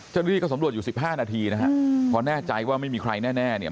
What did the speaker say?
เจ้าที่ดีก็สำรวจอยู่๑๕นาทีนะฮะพอแน่ใจว่าไม่มีใครแน่เนี่ย